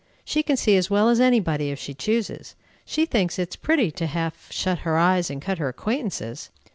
She can see as well as any body, if she chooses. She thinks it is pretty to half shut her eyes, and cut her acquaintances."